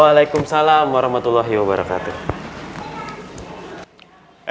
waalaikumsalam warahmatullahi wabarakatuh